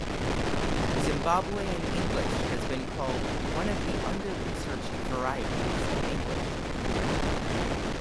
Zimbabwean English has been called "one of the under researched varieties of English".